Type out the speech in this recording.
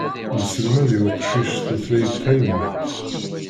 Nesselmad i uqcic tutlayt tayemmat.